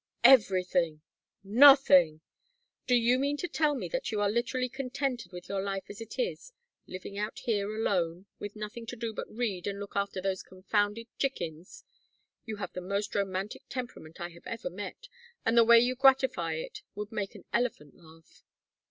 "Everything!" "Nothing!" "Do you mean to tell me that you are literally contented with your life as it is? living out here alone with nothing to do but read and look after those confounded chickens? You have the most romantic temperament I have ever met, and the way you gratify it would make an elephant laugh."